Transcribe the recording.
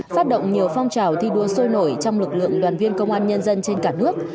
phát động nhiều phong trào thi đua sôi nổi trong lực lượng đoàn viên công an nhân dân trên cả nước